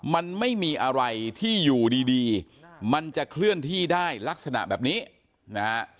มันไม่มีอะไรที่อยู่ดีมันจะเคลื่อนที่ได้ลักษณะแบบนี้นะฮะ